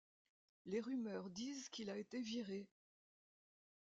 Les rumeurs disent qu'il a été viré.